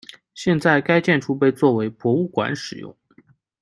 现在该建筑被作为博物馆使用。